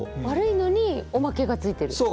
悪いのにおまけがついてる。